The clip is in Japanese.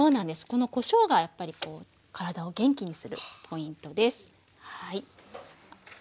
このこしょうがやっぱりこう体を元気にするポイントです。